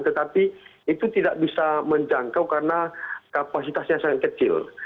tetapi itu tidak bisa menjangkau karena kapasitasnya sangat kecil